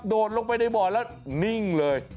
ดลงไปในบ่อแล้วนิ่งเลย